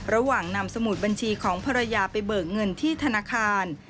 ระหว่างนำสมุดบัญชีของภรรยาไปเบิกเงินที่ธนาคาร